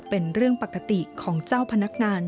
เป็นเรื่องปกติของเจ้าพนักงาน